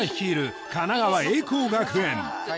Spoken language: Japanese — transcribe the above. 神奈川栄光学園